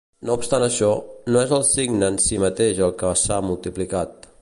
No obstant això, no és el signe en si mateix el que s'ha multiplicat.